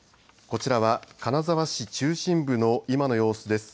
こちらは金沢市中心部の今の様子です。